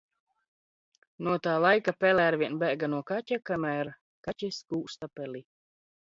No t? laika pele arvien b?g no ka?a, kam?r ka?is g?sta peli.